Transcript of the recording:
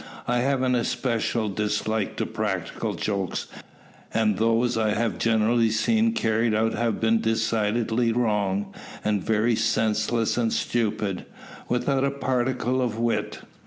I have an especial dislike to practical jokes; and those I have generally seen carried out have been decidedly wrong, and very senseless and stupid, without a particle of wit.